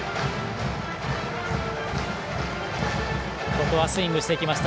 ここはスイングしていきました。